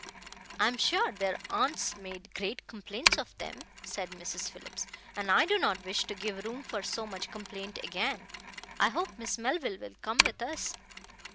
"I am sure their aunts made great complaints of them," said Mrs. Phillips, "and I do not wish to give room for so much complaint again. I hope Miss Melville will come with us."